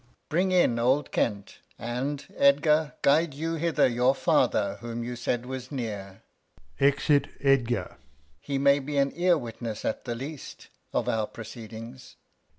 Alh. Bring in old Kent; and, Edgar, guide you hither Your Father, whom you said was near, [Exit Edgar. He may be an Ear Witness as the least Of our Proceedings.